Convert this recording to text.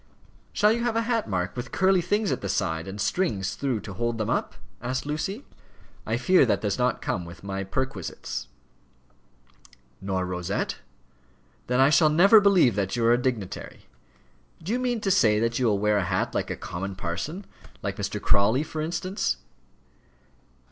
"Shall you have a hat, Mark, with curly things at the side, and strings through to hold them up?" asked Lucy. "I fear that does not come within my perquisites." "Nor a rosette? Then I shall never believe that you are a dignitary. Do you mean to say that you will wear a hat like a common parson like Mr. Crawley, for instance?"